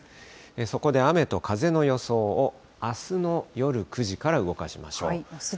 そこで雨と風の予想をあすの夜９時から動かしましょう。